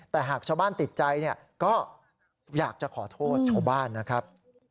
แต่หากชาวบ้านติดใจก็อยากจะขอโทษชาวบ้านนะครับ